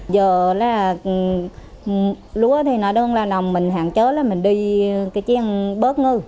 giờ là lúa thì nó đơn là nồng mình hạn chế là mình đi cái chén bớt ngư